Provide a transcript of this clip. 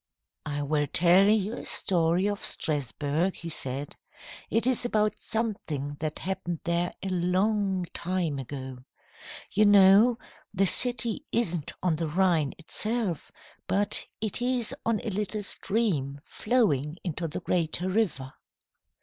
"I will tell you a story of Strasburg," he said. "It is about something that happened there a long time ago. You know, the city isn't on the Rhine itself, but it is on a little stream flowing into the greater river.